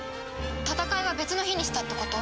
戦いは別の日にしたってこと？